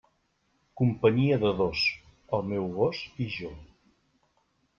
Companyia de dos, el meu gos i jo.